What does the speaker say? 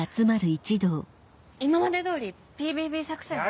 今まで通りＰＢＢ作戦を。